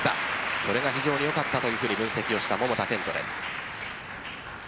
それが非常によかったと分析をした桃田賢斗です。